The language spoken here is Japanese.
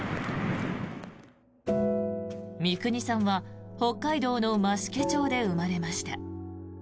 三國さんは北海道の増毛町で生まれました。